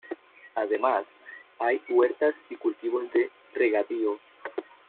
Además, hay huertas y cultivos de regadío.